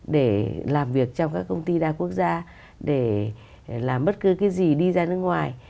để làm việc trong các công ty đa quốc gia để làm bất cứ cái gì đi ra nước ngoài